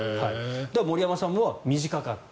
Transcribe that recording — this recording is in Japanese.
森山さんは短かった。